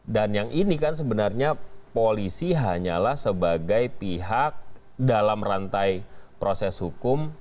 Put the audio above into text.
dan yang ini kan sebenarnya polisi hanyalah sebagai pihak dalam rantai proses hukum